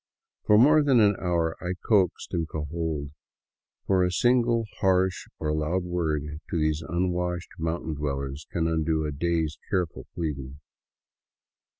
For more than an hour I coaxed and cajoled, for a single harsh or loud word to these unwashed mountain dwellers can undo a day's careful pleading.